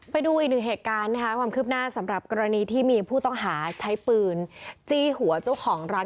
ไปดูอีกหนึ่งเหตุการณ์นะคะความคืบหน้าสำหรับกรณีที่มีผู้ต้องหาใช้ปืนจี้หัวเจ้าของร้าน